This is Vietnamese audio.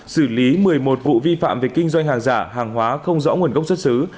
xử lý một mươi một vụ vi phạm về kinh doanh hàng giả hàng hóa không rõ nguồn gốc xuất xứ